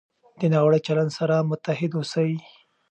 د ناوړه چلند سره محتاط اوسئ.